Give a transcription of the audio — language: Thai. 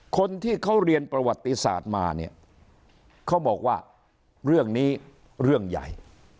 คนที่เขาเรียนประวัติศาสตร์มาเนี่ยเขาบอกว่าเรื่องนี้เรื่องใหญ่